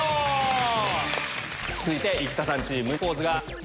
続いて生田さんチーム。